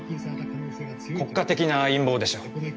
国家的な陰謀でしょう。